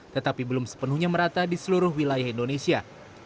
tetapi belum sepenuhnya merata di seluruh wilayah indonesia